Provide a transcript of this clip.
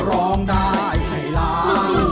ร้องได้ให้ร้อง